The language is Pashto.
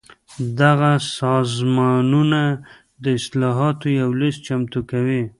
دغه سازمانونه د اصلاحاتو یو لېست چمتو کوي.